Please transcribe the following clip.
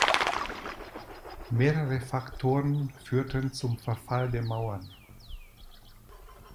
Mehrere Faktoren führten zum Verfall der Mauern.